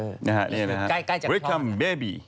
เรียกแล้วนะครับวิคคลัมเบบี